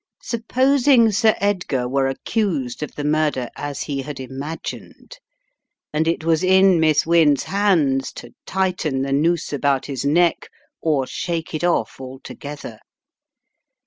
Supposing Sir Edgar were accused of the murder as he had imagined, and it was in Miss Wynne's hands to tighten the noose about his neck, or shake it off altogether?